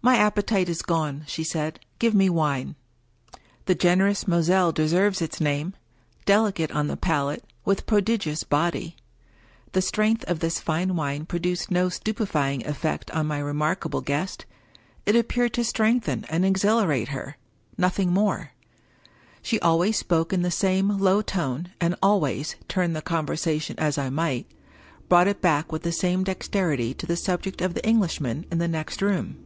" My appetite is gone/' she said. " Give me wine." The generous Moselle deserves its name — delicate on the palate, with prodigious " body." The strength of this fine wine produced no stupefying effect on my remarkable guest. It appeared to strengthen and exhilarate her — noth ing more. She always spoke in the same low tone, and always, turn the conversation as I might, brought, it back with the same dexterity to the subject of the Englishman in the next room.